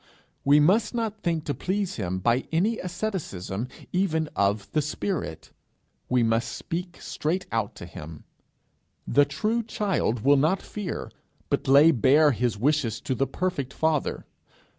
We must not think to please him by any asceticism even of the spirit; we must speak straight out to him. The true child will not fear, but lay bare his wishes to the perfect Father.